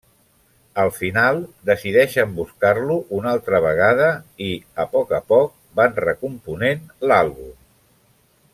Al final, decideixen buscar-lo una altra vegada i, a poc a poc, van recomponent l'àlbum.